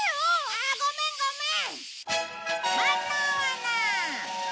ああごめんごめん！